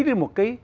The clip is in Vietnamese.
với một cái